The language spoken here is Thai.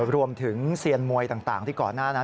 เซียนมวยต่างที่ก่อนหน้านั้น